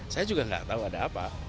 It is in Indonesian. saya juga nggak tahu ada apa